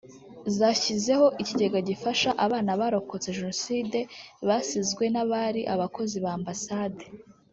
zashyizeho ikigega gifasha abana barokotse Jenoside basizwe n’abari abakozi ba Ambasade